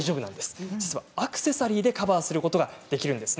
アクセサリーでカバーすることができます。